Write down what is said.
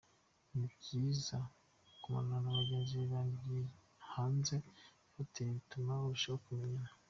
Ni byiza kumarana na bagenzi bawe igihe hanze ya hoteli bituma murushaho kumenyana.